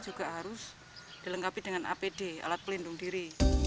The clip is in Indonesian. juga harus dilengkapi dengan apd alat pelindung diri